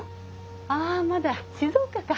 ああまだ静岡か。